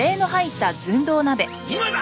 今だ！